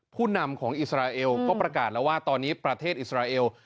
ผู้นำของอิสราเอลก็ประกาศแล้วว่าตอนนี้ประเทศอิสราเอล